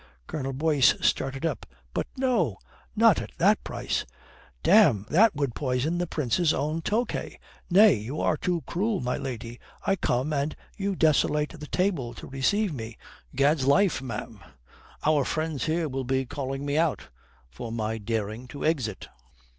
Colonel Boyce started up. "But no not at that price. Damme, that would poison the Prince's own Tokay. Nay, you are too cruel, my lady. I come, and you desolate the table to receive me. Gad's life, ma'am, our friends here will be calling me out for my daring to exist."